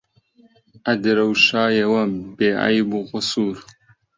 ئەدرەوشایەوە بێعەیب و قوسوور